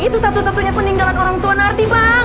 itu satu satunya peninggalan orang tua nanti bang